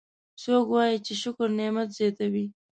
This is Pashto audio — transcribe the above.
څوک وایي چې شکر نعمت زیاتوي